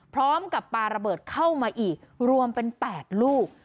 พร้อมกับปลาระเบิดเข้ามาอีกรวมเป็น๘ลูก